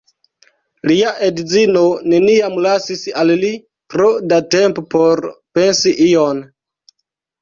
Lia edzino neniam lasis al li tro da tempo por pensi ion.